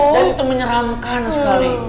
dan itu menyeramkan sekali